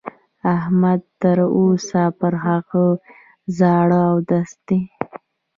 احمد تر اوسه پر هغه زاړه اودس دی.